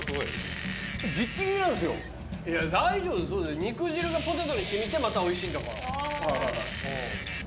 いや大丈夫肉汁がポテトに染みてまたおいしいんだから。